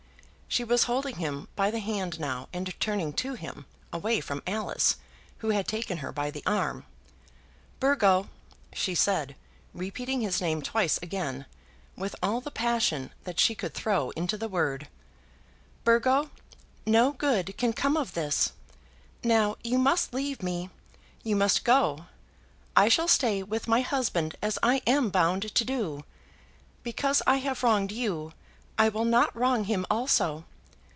She was holding him by the hand now and turning to him, away from Alice, who had taken her by the arm. "Burgo," she said, repeating his name twice again, with all the passion that she could throw into the word, "Burgo, no good can come of this. Now, you must leave me. You must go. I shall stay with my husband as I am bound to do. Because I have wronged you, I will not wrong him also.